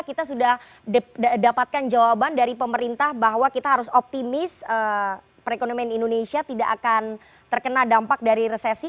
kita sudah dapatkan jawaban dari pemerintah bahwa kita harus optimis perekonomian indonesia tidak akan terkena dampak dari resesi